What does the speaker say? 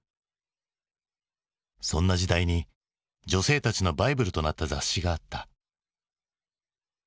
そんな時代に女性たちのバイブルとなった雑誌があった。